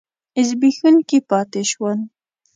زبېښونکي پاتې شول.